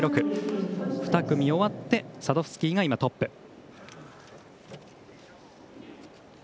２組終わってサドフスキーがトップ。